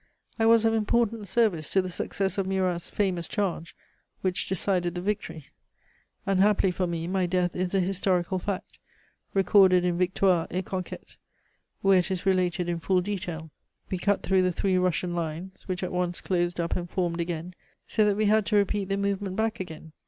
I was of important service to the success of Murat's famous charge which decided the victory. Unhappily for me, my death is a historical fact, recorded in Victoires et Conquetes, where it is related in full detail. We cut through the three Russian lines, which at once closed up and formed again, so that we had to repeat the movement back again.